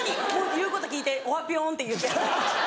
言うこと聞いて「おはぴょん」って言って。